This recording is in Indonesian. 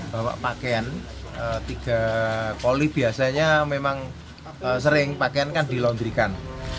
bawa pakaian tiga koli biasanya memang sering pakaian kan dilondrikan